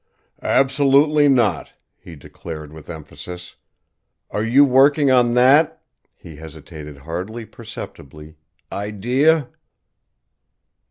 "Absolutely not," he declared, with emphasis. "Are you working on that" he hesitated hardly perceptibly "idea?"